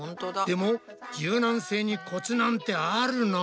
でも柔軟性にコツなんてあるの？